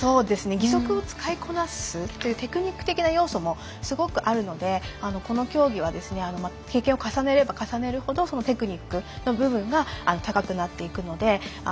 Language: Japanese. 義足を使いこなすというテクニック的な要素もあるのでこの競技は経験を重ねれば重ねるほどそのテクニックの部分が高くなっていくので。